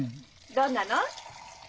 どんなの？